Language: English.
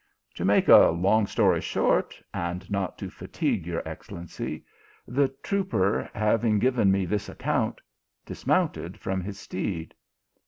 " To make a long story short, and not to fatigue your excellency, the trooper having given me this ac count, dismounted from his steed.